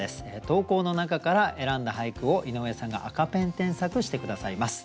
投稿の中から選んだ俳句を井上さんが赤ペン添削して下さいます。